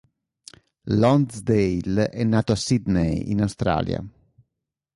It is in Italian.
Lonsdale è nato a Sydney, in Australia.